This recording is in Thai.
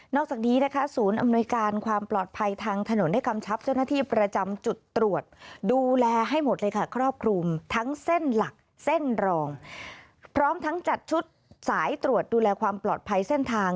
นอกจากนี้อำนวยการความปลอดภัยทางถนน